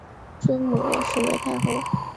尊母罗氏为太后。